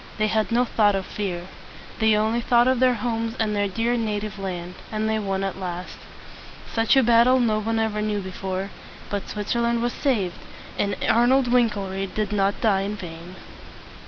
They had no thought of fear. They only thought of their homes and their dear native land. And they won at last. Such a battle no one ever knew before. But Switzerland was saved, and Arnold Wink el ried did not die in vain.